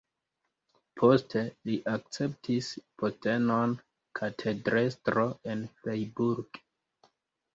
Poste li akceptis postenon katedrestro en Freiburg.